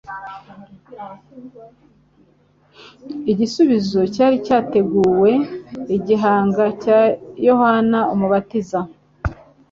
Igisubizo cyari cyateguwe: "igihanga cya Yohana umubatiza."